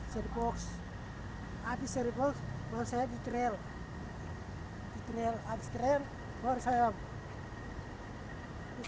stripping baru latihan jari box